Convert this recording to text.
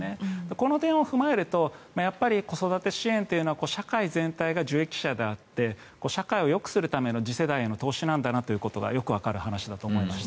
この点を踏まえるとやっぱり子育て支援というのは社会全体が受益者であって社会をよくするための次世代への投資なんだというのがよくわかる話だと思いました。